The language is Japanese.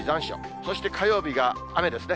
そして火曜日が雨ですね。